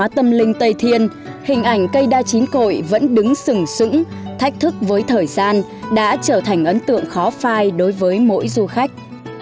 thách thức với thời gian đã trở thành ấn tượng khó phai đối với mỗi du khách